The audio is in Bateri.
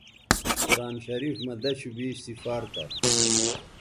قرآن شریف مہ دشوبیش سفار تھا